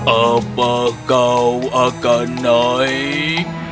apakah kau akan naik